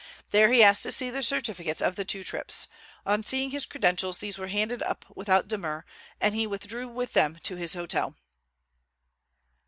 There he asked to see the certificates of the two trips. On seeing his credentials these were handed up without demur, and he withdrew with them to his hotel.